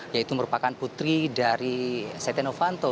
yaitu merupakan putri dari stiano fanto